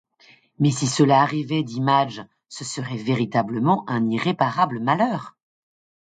Mais si cela arrivait, dit Madge, ce serait véritablement un irréparable malheur!